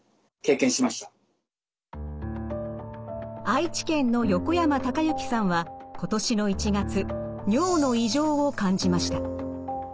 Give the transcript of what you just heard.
愛知県の横山孝行さんは今年の１月尿の異常を感じました。